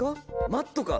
マットか？